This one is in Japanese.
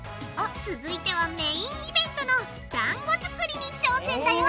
続いてはメインイベントのだんご作りに挑戦だよ！